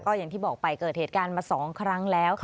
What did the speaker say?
อย่างที่บอกไปเกิดเหตุการณ์มา๒ครั้งแล้ว